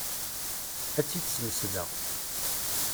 Ad tt-id-smesdeɣ.